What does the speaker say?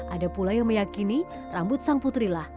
ada pula yang meyakini rambut sang putrilah